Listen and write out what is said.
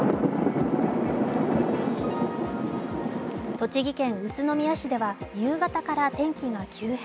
栃木県宇都宮市では夕方から天気が急変。